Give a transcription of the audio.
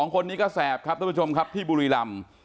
คนนี้ก็แสบครับทุกผู้ชมครับที่บุรีรำ